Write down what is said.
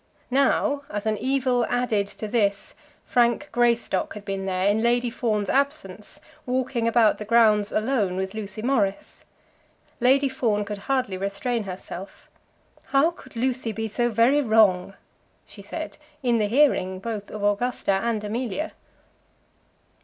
Now, as an evil added to this, Frank Greystock had been there in Lady Fawn's absence, walking about the grounds alone with Lucy Morris. Lady Fawn could hardly restrain herself. "How could Lucy be so very wrong?" she said, in the hearing both of Augusta and Amelia.